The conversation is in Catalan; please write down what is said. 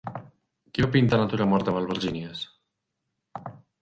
Qui va pintar Natura morta amb albergínies?